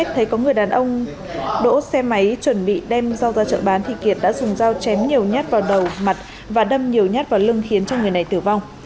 thấy có người đàn ông đỗ xe máy chuẩn bị đem rau ra chợ bán thì kiệt đã dùng dao chém nhiều nhát vào đầu mặt và đâm nhiều nhát vào lưng khiến cho người này tử vong